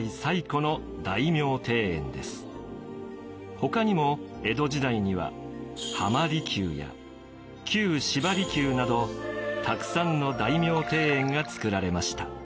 ほかにも江戸時代には浜離宮や旧芝離宮などたくさんの大名庭園がつくられました。